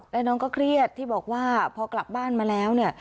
แล้วน้องก็เครียดที่บอกว่าพอกลับบ้านมาแล้วเนี่ย